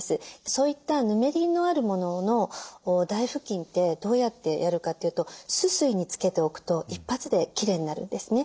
そういったヌメリのあるものの台布巾ってどうやってやるかというと酢水につけておくと一発できれいになるんですね。